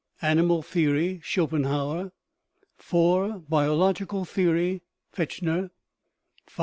Animal Theory (Schopenhauer) ; IV. Biological Theory (Fechner) ; V.